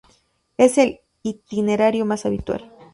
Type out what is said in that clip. Es el itinerario más habitual.